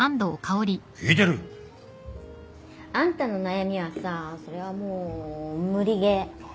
聞いてる！あんたの悩みはさそれはもう無理ゲー。